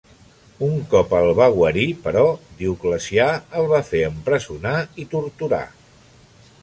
Un cop el va guarir, però, Dioclecià el va fer empresonar i torturar.